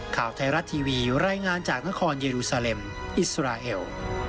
ข่าวไทยรัฐทีวีรายงานจากนครเยรูซาเลมอิสราเอล